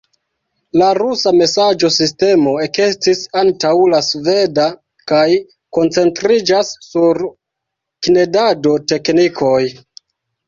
La rusa masaĝo-sistemo ekestis antaŭ la sveda kaj koncentriĝas sur knedado-teknikoj.